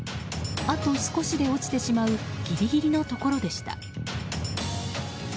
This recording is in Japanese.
あと少しで落ちてしまうギリギリのところでした。